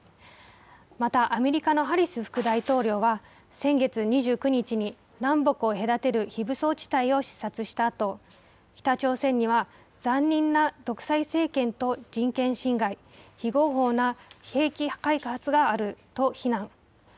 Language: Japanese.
またアメリカのハリス副大統領は、先月２９日に南北を隔てる非武装地帯を視察したあと、北朝鮮には残忍な独裁政権と人権侵害、非合法な兵器開発があると非難。